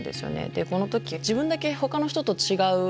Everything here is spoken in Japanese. でこの時自分だけほかの人と違う。